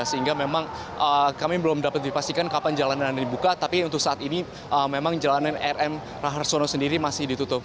sehingga memang kami belum dapat dipastikan kapan jalanan dibuka tapi untuk saat ini memang jalanan rm raharsono sendiri masih ditutup